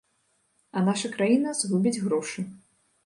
А наша краіна згубіць грошы.